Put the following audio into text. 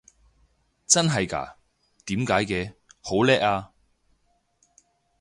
真係嘎？點解嘅？好叻啊！